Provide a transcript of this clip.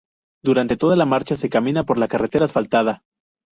Durante toda la marcha se camina por carretera asfaltada.